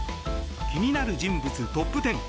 気になる人物トップ１０。